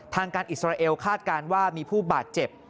ทางการอิสราเอลคาดการณ์ว่ามีผู้บาดเจ็บ